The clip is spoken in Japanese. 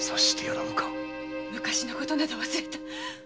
昔のことなど忘れた！